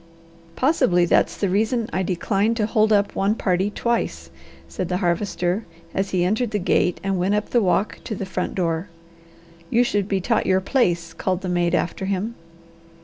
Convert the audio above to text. "Possibly that's the reason I decline to hold up one party twice," said the Harvester as he entered the gate and went up the walk to the front door. "You should be taught your place," called the maid after him.